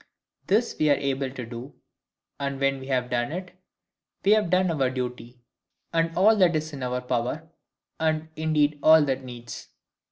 This we are able to do; and when we have done it, we have done our duty, and all that is in our power; and indeed all that needs.